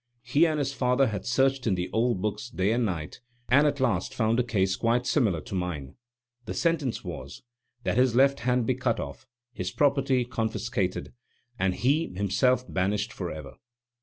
He and his father had searched in the old books day and night, and at last found a case quite similar to mine. The sentence was: That his left hand be cut off, his property confiscated, and he himself banished for ever.